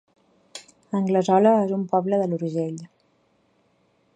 Anglesola es un poble de l'Urgell